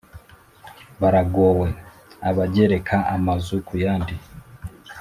Baragowe! Abagereka amazu ku yandi,